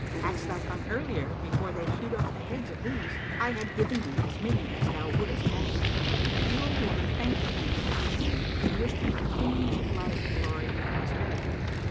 Hadst thou come earlier, before they hewed off the heads of these, I had given thee as many as thou wouldest have." The old woman thanked the King for his boon and wished him continuance of life, glory and prosperity.